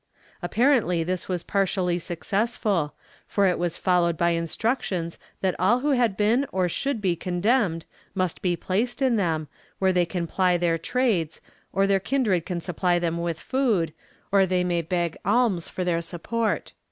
Apparently this was partially suc cessful, for it was followed by instructions that all who had been or should be condemned must be placed in them, where they can ply their trades, or their kindred can supply them with food, or they may beg alms for their support.